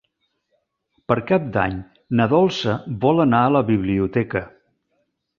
Per Cap d'Any na Dolça vol anar a la biblioteca.